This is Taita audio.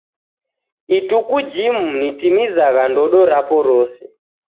Ituku jimu nitimizagha ndodo rapo rose.